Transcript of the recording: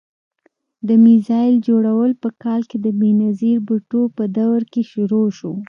د میزایل جوړول په کال کې د بېنظیر بوټو په دور کې شروع شو.